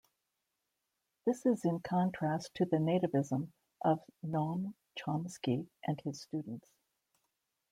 This is in contrast to the nativism of Noam Chomsky and his students.